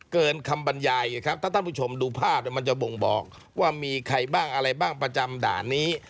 เกินคำบรรยายครับถ้าท่านผู้ชมดูภาพมันจะบ่งบอกว่ามีใครบ้างอะไรบ้างประจำด่านนี้